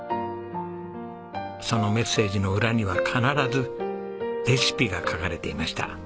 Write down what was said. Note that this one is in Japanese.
そのメッセージの裏には必ずレシピが書かれていました。